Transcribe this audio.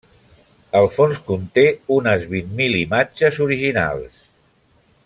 El fons conté uns vint mil imatges originals.